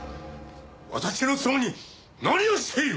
私の妻に何をしている！？